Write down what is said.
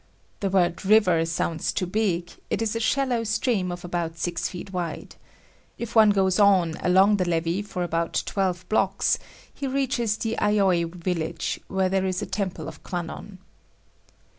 The word river sounds too big; it is a shallow stream of about six feet wide. If one goes on along the levy for about twelve blocks, he reaches the Aioi village where there is a temple of Kwanon.